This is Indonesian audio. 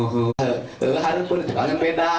harupun jepangnya beda